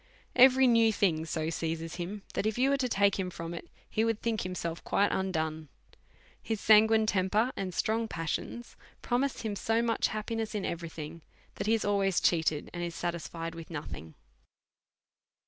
Every new thing so seizes him, that if you were to take him from it, he would think himself quite undone. His sanguine temper and strong pas sions promise him so much happiness in every thing', that he is always cheated, and is satisfied with no thing.